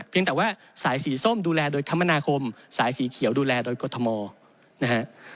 เพียงแต่ว่าสายสีส้มดูแลโดยคมนาคมสายสีเขียวดูแลโดยกธมอธิบัตร